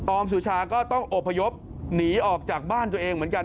อมสุชาก็ต้องอบพยพหนีออกจากบ้านตัวเองเหมือนกัน